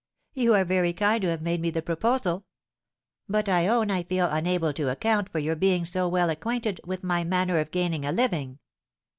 You are very kind to have made me the proposal; but I own I feel unable to account for your being so well acquainted with my manner of gaining a living."